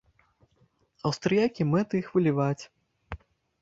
Аўстрыякі мэты іх выліваць.